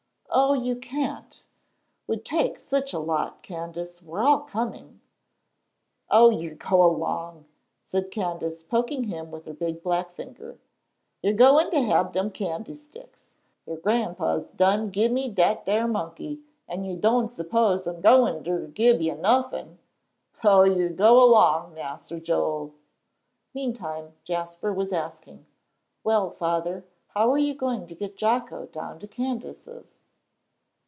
"Oh, you can't, 'twould take such a lot, Candace; we're all coming." "Oh, yer go long," said Candace, poking him with her big black finger, "ye're goin' to hab dem candy sticks. Yer Gran'pa's done gib me dat ar monkey, an' don' yo' suppose I'm goin' ter gib nuffin'? Oh, yer go long, Mas'r Joel." Meantime Jasper was asking, "Well, Father, how are you going to get Jocko down to Candace's?"